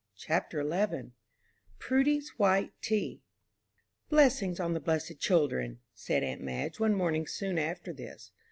CHAPTER XI PRUDY'S WHITE TEA "Blessings on the blessed children!" said aunt Madge, one morning soon after this.